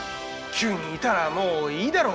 ９人いたらもういいだろう！